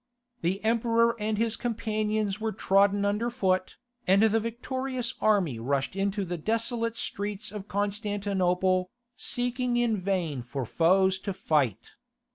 The Emperor and his companions were trodden under foot, and the victorious army rushed into the desolate streets of Constantinople, seeking in vain for foes to fight.